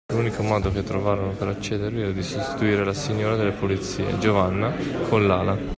L’unico modo che trovarono per accedervi era di sostituire la signora delle pulizie, Giovanna, con Lala.